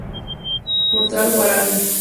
Portal Guaraní